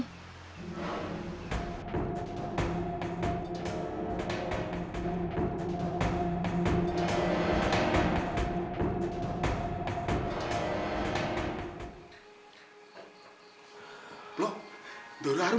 peluk peluk arum